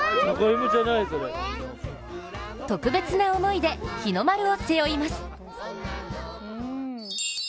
特別な思いで日の丸を背負います。